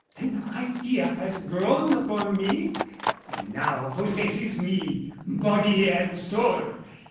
An idea has grown upon me, and now possesses me body and soul.